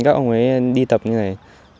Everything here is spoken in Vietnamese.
các ông ấy đi tập như thế này